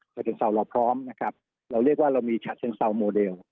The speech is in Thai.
ชาเซ็นเซาน่าพร้อมนะครับเราเรียกว่าเรามีชาเซ็นเซาน่าโมเดล